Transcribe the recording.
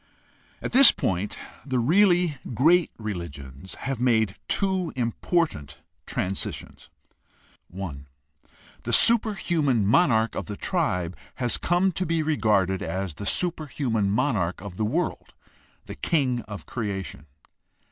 — At this point the really great religions have made two important transitions : 1. The superhuman monarch of the tribe has come to be regarded as the superhuman monarch of the world, the king of creation.